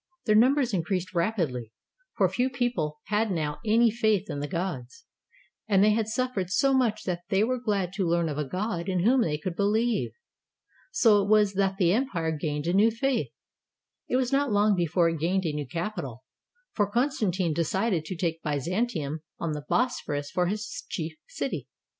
Their numbers increased rapidly, for few people had now any faith in the gods, and they had suffered so much that they were glad to learn of a God in whom they could believe. So it was that the empire gained a new faith. It was not long before it gained a new capital, for Constantine decided to take Byzantium on the Bosphorus for his chief city.